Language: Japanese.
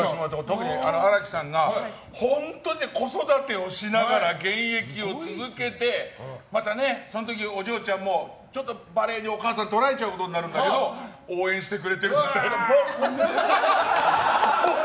特に荒木さんが本当に子育てをしながら現役を続けてまた、その時お嬢ちゃんもバレーにお母さんとられちゃうことになるんだけど応援してくれてるみたいな。